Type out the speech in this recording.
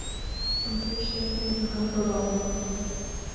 An Ciste Caomhnaithe Bradán.